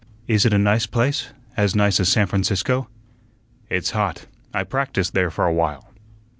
"Is it a nice place as nice as San Francisco?" "It's hot. I practised there for a while."